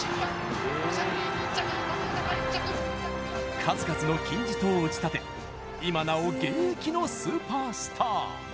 数々の金字塔を打ちたて今なお現役のスーパースター！